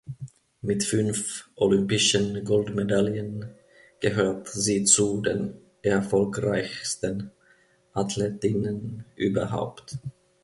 Mit fünf Olympischen Goldmedaillen gehört sie zu den erfolgreichsten Athletinnen überhaupt.